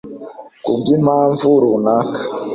ku bwi mpamvu runaka